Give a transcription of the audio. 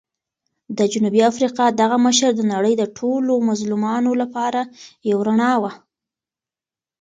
د جنوبي افریقا دغه مشر د نړۍ د ټولو مظلومانو لپاره یو رڼا وه.